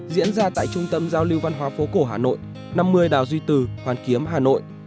diễn ra tại trung tâm giao lưu văn hóa phố cổ hà nội năm mươi đào duy từ hoàn kiếm hà nội